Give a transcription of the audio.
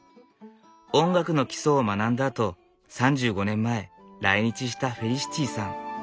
音楽の基礎を学んだあと３５年前来日したフェリシティさん。